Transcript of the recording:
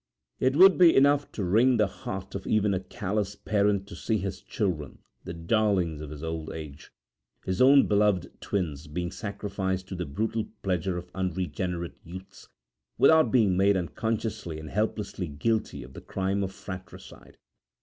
It would be enough to wring the heart of even a callous parent to see his children, the darlings of his old age his own beloved twins being sacrificed to the brutal pleasure of unregenerate youths, without being made unconsciously and helplessly guilty of the crime of fratricide.